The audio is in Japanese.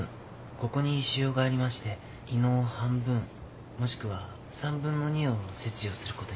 ここに腫瘍がありまして胃の半分もしくは三分の二を切除することになります。